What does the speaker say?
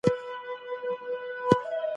مظلوم ته په امن کي ځای ورکړئ.